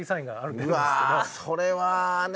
うわっそれはね